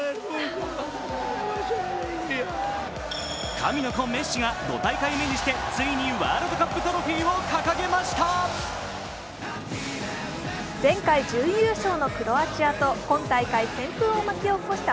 神の子・メッシが５大会目にしてついについにワールドカップトロフィーを掲げました。